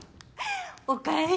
・おかえり。